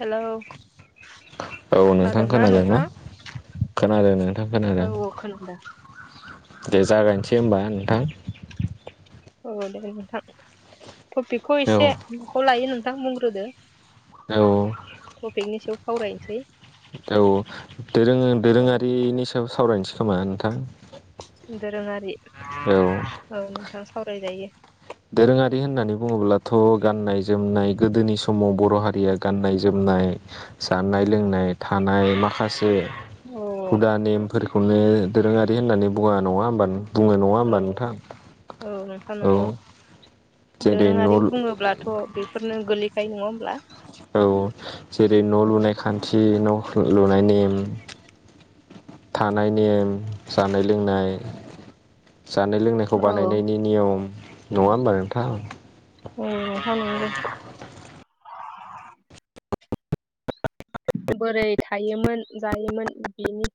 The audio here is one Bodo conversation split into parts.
हेलौ औ नोंथां खोनादोंना खोनादों नोंथां औ खोनादों। औ खोनादों दे जागायनोसै होमबा नोंथां। औ दे नोंथां। थपिकखौ औ इसे मखौ लायो नों नोंथां बुंग्रोदो। औ औ टपिकनि सायाव सावरायनोसै औ औ दोरोङो औ दोरोङारिनि सायाव सावरायनोसै खोमा नोंथां। दोरोङारि औ नोंथां सावराय जायो। दोरोङारि होननानै बुङोब्लाथ' गाननाय जोमनाय गोदोनि समाव बर' हारिया गाननाय जोमनाय जानाय लोंनाय थानाय माखासे औ हुदा नेमफोरखौ बेखौनो दोरोङारि होननानै बुङा नङा होमबा नों बुंङो नङा होमबा औ नोंथां? औ नोंथां औ। नंगौ जेरै न' दोरोङारि बुङोब्लाथ' बेफोरनो गोलैखायो। नङा होमब्ला औ जेरै न' लुनाय खान्थि न' न' लुनायनि नेम थानाय नेम जानाय लोंनाय जानाय लोंनायखौ औ बानायनायनि नियम नङा होमबा नोंथां। औ नोंथां नोंगौ। बोरै थायोमोन जायोमोन बिनि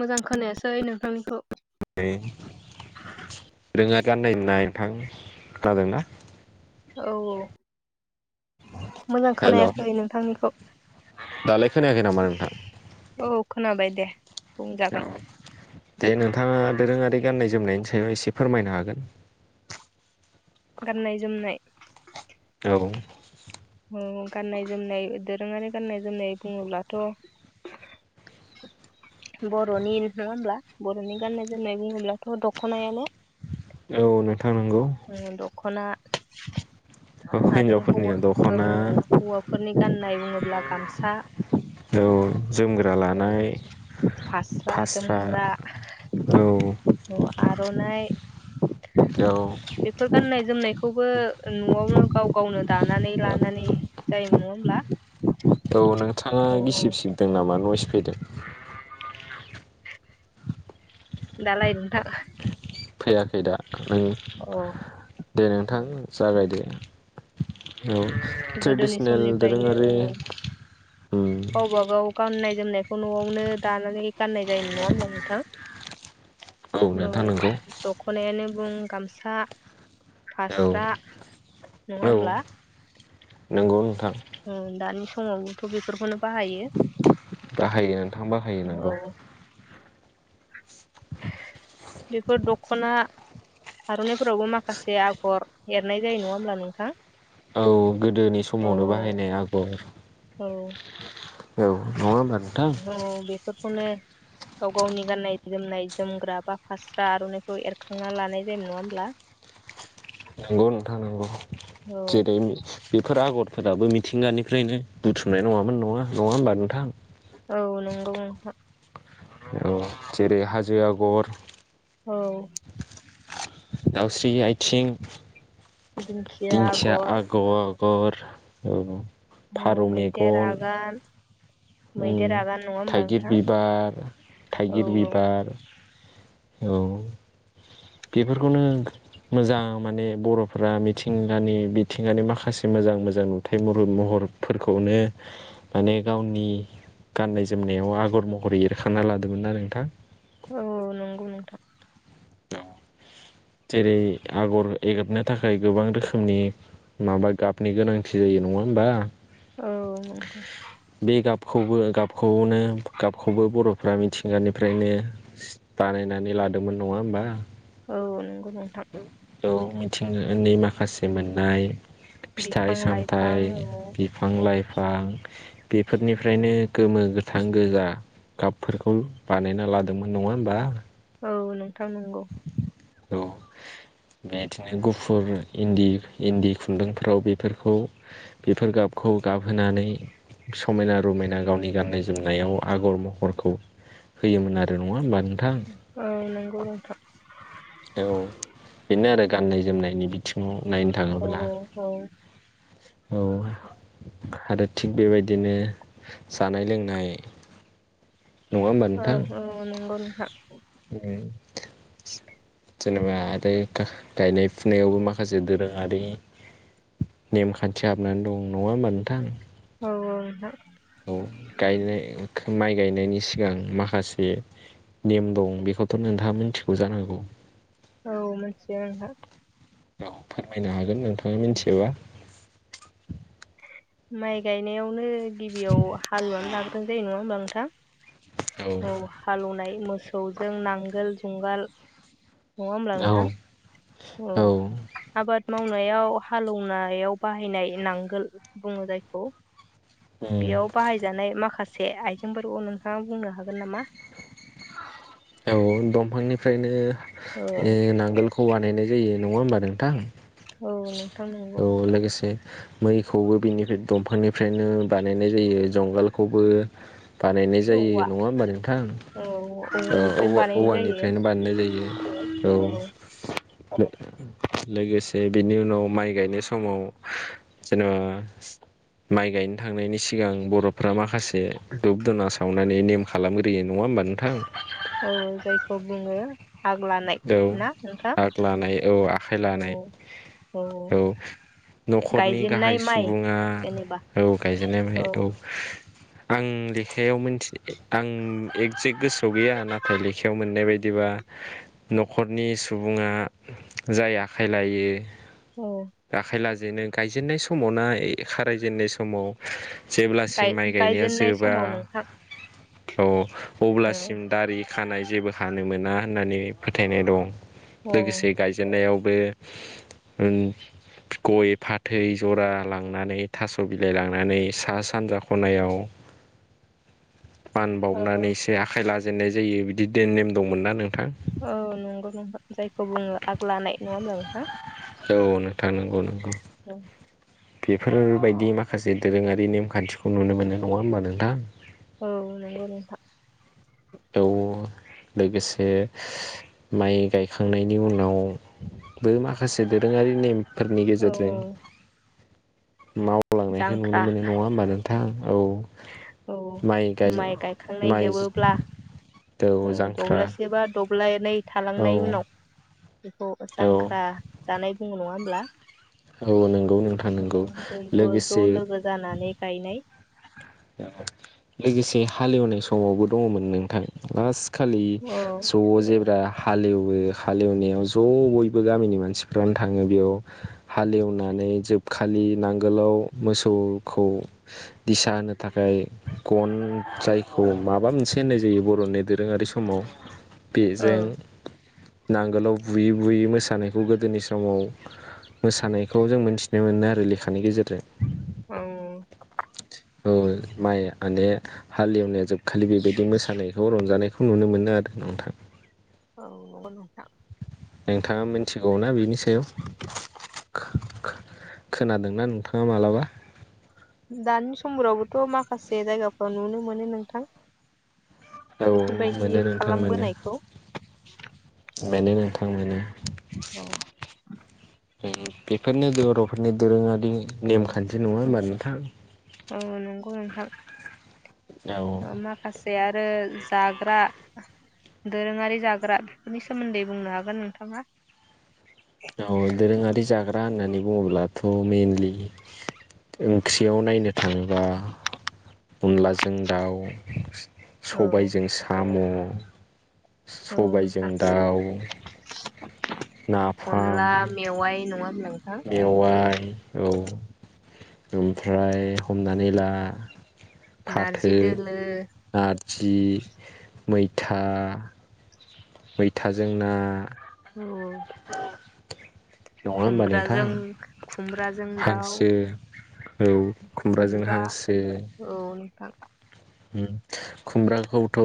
मोजां खोनायासै नोंथांनिखौ [unintelligible] रोङा गाननाय नाय थां जादोंना? औ औ मोजां हेल' खोनायाखैै नोंथांनिखौ। दालाय खोनायाखै नामा नोंथां अ खोनाबाय दे। बुंजागोन। औ दे नोंथाङा दोरोङारि गाननाय जोमनायनि सायाव एसे फोरमायनो हागोन। गाननाय जोमनाय। औ ओम गाननाय जोमनाय दोरोङारि गाननाय जोमनाय बुङोब्लाथ' बर'नि नङा होमब्ला बर'नि गान्नाय जोमनाय बुङोब्लाथ' दख'नायानो। औ नोंथां नंगौ। खना आरो हिनजावफोरनि हौवा औ दख'ना हौवाफोरनि गाननाय बुङोब्ला गामसा। औ जोमग्रा औ लानाय फास्रा जोमग्रा औ आर'नाइ औ बेफोर गाननाय जोमनायखौबो नयावनो गाव गावनो दानानै लानानै जायोमोन। [inaudible] औ नोंथाङा औ गिसिब सिबदों नामा नयस फैदो दालाइ नोंथां? फैयाखै दा ओं औ देे नों नोंथां जागायदो। औ गोदोनि ट्रेडिसनेल समनिफ्रायनो दोरोङारि औ उम गावबा गाव गाननाय जोमनायखौ नयावनो दानानै गाननाय जायोमोन नङा होमब्ला नोंथां? औ अ नोंथां नंगौ दखनायानो गुबुं गामसा औ फास्रा नङा होमब्ला? बुं नोथां। ओ दानि समावबोथ बेफोरखौनो बाहायो। बाहायो नोंथां बाहायो नंगौ। औ बेफोर दखना आर'नाइफोरावबो माखासे आगर एरनाय जायो नङा होमब्ला नोंथां? खौ गोदोनि औ समावनो बाहायनाय आगर। औ औ नङा होनबा? औ बेफोर खौनो गाव गावनि गाननाय जोमनाय जोमग्रा बा फास्रा आर'नाइखौ एरखांना लानाय जायोमोन नङा होमब्ला? नंगौ नोंथां नंगौ औ जेरै बेफोर आगर फोराबो मिथिंगानिफ्रायनो बुथुमनाय नङामोन नङा नङा होमबा नोंथां? औ नंगौ नोंथां औ जेरै हाजो आगर औ दाउस्रि आथिं दिंखिया आगर गर अ मैदेर आगान मैदेर उम आगान नङा होमब्ला थाइगिर नोंथां बिबार औ थाइगिर बिबार औ बेफोरखौनो मोजां माने बर'फोरा मिथिंगानि बिथिंगानि माखासे मोजां मोजां नुथाय म महरफोरखौनो माने गावनि गाननाय जोमनायाव आगर महर एरखाना लादोंमोन ना नोंथां औ नंगौ नोंथां जेरै आगर एगबनो थाखाय गोबां रोखोमनि माबा गाबनि गोनांथि जायो नङा होमबा औ नंगौ बे गाबखौबो गाबखौनो गाबखौबो बर'फ्रा मिथि गानिफ्रायनो सि बानायनानै लादोंमोन नङा होमबा औ नंगौ नोंथां औ मिथिंगानि माखासे मोननाय फिथाइ बिफां लाइफां सामथाइ औ बिफां लाइफां बिफां बेफोरनिफ्रायनो गोमो गोथां गोजा गाबफोरखौ बानायना लादोंमोन नङा होमबा औ नंगौ थां नंगौ औ बेदिनो गुफुर इन्दि इन्दि खुन्दुंफ्राव बेफोरखौ बेफोर गाबखौ गाबहोनानै समायना रमायना गावनि गाननाय जोमनायाव आगर महरखौ होयोमोन आरो नङा होमबा नोंथां औ नोंगौ नोंथां औ बेनो आरो गाननाय जोमनायनि बिथिं उम नायनो औ थाङोब्ला औ औ आरो थिग बेबायदिनो जानाय लोंनाय नङा होमबा औ नोंथां औ नंगौ नोंथां उम जेनेबा आरो गायनाय फुनायावबो माखासे दोरोङारि नेमखान्थि हाबनानै दं नङा होमबा नोंथां औ नोंथां औ गायनाय माइ गायनायनि सिगां माखासे नेम दं बेखौथ नोंथाङा मिथिगौ जानांगौ औ मोनथियो नोंथां बेयाव फोरमायनो हागोन गोन नोंथाङा मिथियोबा माइ गायनायावनो गिबियाव हालुवानो लाग्रोनाय जायो नङा होमबा नोंथां औ हालौनाय मोसौजों नांगोल जुंगाल नङा होमब्ला औ नोंथां औ आबाद मावनायाव हालौनायाव बाहायनाय नांगोल बुङो जायखौ बेयाव बाहायजानाय माखासे से आइजेंफोरखौ नोंथाङा बुंनो हागोन नामा औ दंफांनिफ्रायनो औ ए नांगोलखौ बानायनाय जायो नङा होमबा नोंथां औ नोंथां नंगौ औ लोगोसे मैखौबो बिनिफ्राय दंफांनिफ्रायनो बानायनाय जायो जुंगालखौबो बानायनाय जायो औवा नङा होमबा नोंथां औ औ औ औवानिफ्रायनो बानायनाय जायो औवानिफ्रायनो बानायनाय जायो औ लोगोसे बिनि उनाव माइ गायनाय समाव जेनेबा माइ गायनो थांनायनि सिगां बर'फ्रा माखासे जे दुुब दुना सावना सावनानै नेम खालामग्रोयो नङा होमबा नोंथां औ जायखौ बुङो आग लानाय औ ना नोंथां आग लानाय औ आखाइ औ लानाय औ न'खरनि गाहाय गायजेननाय माइ सुबुङा जेनेबा औ गायजेननाय माइ औ आं लेखायाव मोनथि आं एगजेक्ट गोसोआव गैया नाथाय लेखायाव मोननाय बायदिबा न'खरनि सुबुङा जाय आखाइ लायो औ आखाय लाजेननाय बिदिनो गायजेननाय समाव ना खारायजेनन्नाय समाव जेब्लासिम गाय माइ गायनाया गायजेननाय जोबा समाव नोंथां औ औ अब्लासिम दारि खानाय जेबो खानो मोना होननानै फोथायनाय दं औ लोगोसे गायजेननायाव बे गय फाथै जरा लांनानै थास' बिलाइ लांनानै सा सानजा खनायाव मान औ बावनानैसो आखाइ लाजेननाय जेननाय जायो बिदि नेम दंमोन ना नोंथां? औ नंगौ जायखौ बुङो आग लानाय नङा होमब्ला नोंथां औ नोंथां नंगौ नंगौ औ बेफोरबायदि माखासे दोरोङारि नेमखान्थिखौ नुनो मोनो नङा होमबा नोंथां औ नंगौ नोंथां औ लोगोसे माइ गायखांनायनि उनाव बो माखासे दोरोङारि नेम फोरनि औ औ गेजेरजों मावलांनायखौ नुनो जांख्रा मोनो नङा होमबा नोंथां औ माइ गायजेननाय माइ ब्ला औ जांख्रा दब्लायसे बा दब्लायनै औ थालांनाय उनाव बेखौ औ जांख्रा जानाय दङ नङा होमब्ला औ नों बयबो ज' लोगो जानानै गायनाय लोगोसे हालेवनाय समावबो दङमोन नोंथां लास्ट खालि औ ज' जेब्ला हालेवो हालेवनायाव ज' बयबो गामिनि मानसिफ्रानो थाङो बेयाव हालेवनानै जोबखालि नांगोलाव मोसौखौ दिसा होनो थाखाय गन जायखौ माबा मोनसे होननाय जायो बर'नि दोरोङारि समाव बेजों नांगोलाव बुयै बुयै मोसानायखौ गोदोनि समाव मोसानायखौ जों मोनथिनो मोनो आरो लेखानि गेजेरजों औ औ माइ माने हालेवनाया जोबखालि बेबायदि मोसानायखौ रंजानायखौ नुनो मोनो आरो नोंथां औ नंगौ नोंथां नोंथाङा मिथिगौ ना बिनि सायाव खो-खो-खोनादोंना नोंथाङा मालाबा दानि समफोरावबोथ' माखासे जायगाफोराव नुनो मोनो नोंथां औ बेफोरबायदि मोनो नोंथां खालामबोनायखौ बेनो नोंथांमोनो औ बेफोरनो बर'फोरनि दोरोङारि बिदि नेमखान्थि नङा होनोमबानो थां औ नंगौ नोंथां औ माखासे आरो जाग्रा दोरोङारि जाग्रा बेफोरनि सोमोन्दै बुंनो हागोन नोंथाङा औ दोरोङारि जाग्रा होननानै बुङोब्लाथ' मइेनलि [unintelligible] सिङाव नायनो थाङोबा अनलाजों दाउ औ सबायजों साम' औ सबायजों नोंथां दाउ नाफाम अनला मेवाइ नङा होन मेवाइ इ औ ओमफ्राय हमनानै ला फाथो नारजि दोलो आरो जि मैथा मैथाजों ना औ [inaudible] होमबा नोंथां खुमब्राजों खुमब्राजों दाउ हांसो औ खुमब्राजों खुमब्रा हांसो औ नोंथां खुमब्राखौथ'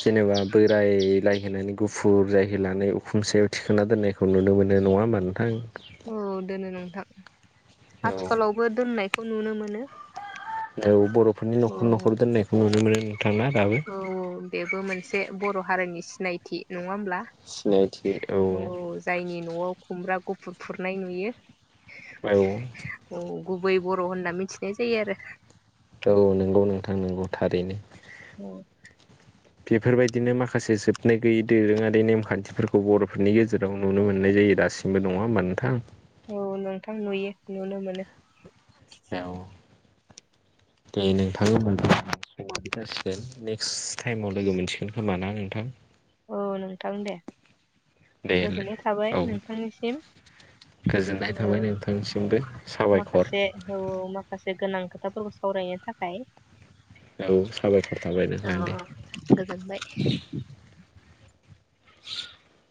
जेनेबा बोरायलाय नानै गुफुर जायहो लानाय उखुम सायाव थिखोना दोननायखौ नुनो मोनो नङा होमबा नोंथां औ दोनो नोंथां औ आथिखालावबो दोननाय खौ नुनो मोनो दौ बर'फोरनि औ न'खर न'खर दोननायखौ नुनो मोनो नोंथां ना दाबो औ बेबो मोनसे बर' हारिनि सि सिनायथि नङा हमब्ला सिनायथि औ जायनि न'आव खुमब्रा गुफुर फुरनाय नुयो औ औ गुबै बर' होनना मिथिनाय जायो आरो औ नंगौ नोंथां नोंगौ थारैनो औ बेफोरबायदिनो माखासे जोबनाय गैयै दोरोङारि नेमखान्थिफोरखौ बर'फोरनि गेजेराव नुनो मोननाय जायो दासिमबो नङा होमबा नोंथां औ नोंथां नुयो नुनो मोनो औ दे नोंथां होमबा समाबो जासिगोन नेक्स्ट टाइमाव लोगो मोनसिगोन खोमा ना नोंथां औ नोंथां दे देलाय गोजोननाय थाबाय औ नोंथांनिसिम गोजोननाय औ थाबाय नोंथांनिसिमबो साबायखर माखासे औ माखासे गोनां खोथाफोरखौ सावरायनो थाखाय औ साबायखर थाबाय अ नोंथांनि गोजोनबाय [inaudible]